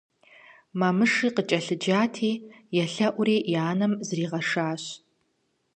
Мамыши къыкӀэлъыджати, елъэӀури и анэм зригъэшащ.